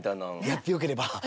やってよければ。